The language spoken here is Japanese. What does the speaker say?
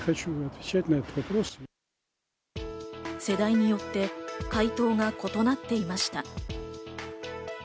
世代によって回答が異なっていました。